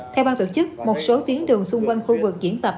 theo bao tự chức một số tuyến đường xung quanh khu vực diễn tập